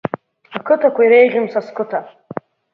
Ақыҭақәа иреиӷьым са сқыҭа…